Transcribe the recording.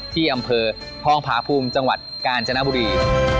ที่อำเภอห้องพาภูมิจังหวัดกาญจนบุรี